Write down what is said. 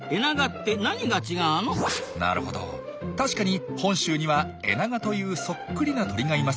なるほど確かに本州にはエナガというそっくりな鳥がいます。